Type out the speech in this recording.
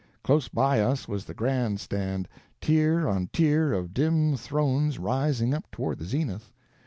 Close by us was the Grand Stand—tier on tier of dim thrones rising up toward the zenith.